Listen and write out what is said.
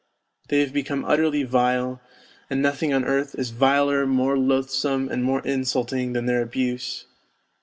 They have become utterly vile, and nothing on earth is viler, more loathsome, and more insulting than their abuse.